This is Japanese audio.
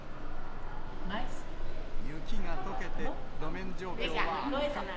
雪がとけて、路面状況は悪化。